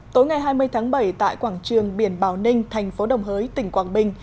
tối ngày hai mươi tháng bảy tại quảng trường biển bảo ninh thành phố đồng hới tỉnh quảng bình